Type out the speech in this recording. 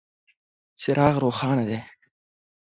څراغ روښانه دی .